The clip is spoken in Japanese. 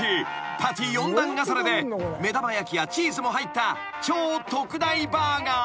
パティ４段重ねで目玉焼きやチーズも入った超特大バーガー］